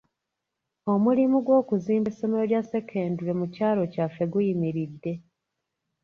Omulimu gw'okuzimba essomero lya ssekendule mu kyalo kyaffe guyimiridde.